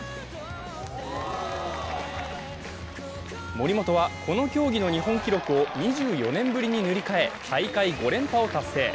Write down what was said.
森本は、この競技の日本記録を２４年ぶりに塗り替え、大会５連覇を達成。